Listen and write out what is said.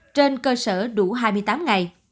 trên cơ sở đủ hai mươi tám ngày